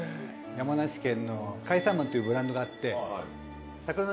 山梨県の甲斐サーモンっていうブランドがあって。